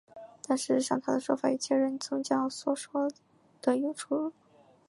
但事实上他的说法与前任教宗所说的有出入。